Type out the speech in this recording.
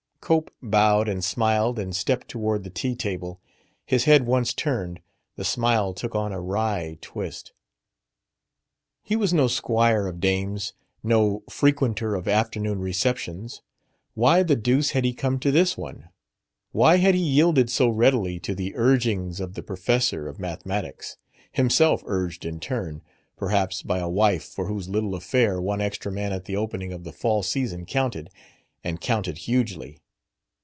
Cope bowed and smiled and stepped toward the tea table. His head once turned, the smile took on a wry twist. He was no squire of dames, no frequenter of afternoon receptions. Why the deuce had he come to this one? Why had he yielded so readily to the urgings of the professor of mathematics? himself urged in turn, perhaps, by a wife for whose little affair one extra man at the opening of the fall season counted, and counted hugely.